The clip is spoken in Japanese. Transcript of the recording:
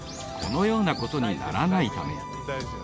［このようなことにならないために］